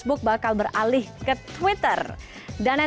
terima kasih tante minh